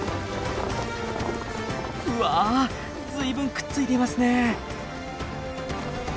うわずいぶんくっついていますね。